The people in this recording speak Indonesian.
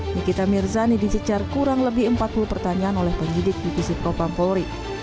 nikita mirzani disecar kurang lebih empat puluh pertanyaan oleh penyidik divisi propa mabelspori